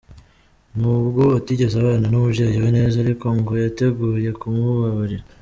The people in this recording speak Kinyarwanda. N’ubwo atigeze abana n’umubyeyi we neza ariko, ngo yiteguye kumubabarira.